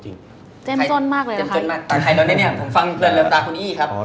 เจ็มจ้อนมากเลยค่ะ